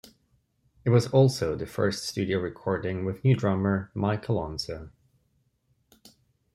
It is also the first studio recording with new drummer Mike Alonso.